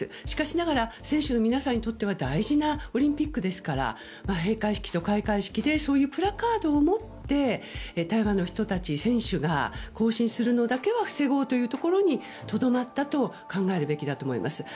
しかしながら選手の皆さんにとっては大事なオリンピックですから閉会式と開会式でそういうプラカードを持って台湾の人たち、選手が行進するのだけは防ごうというところにとどまったと考えるべきだと思います。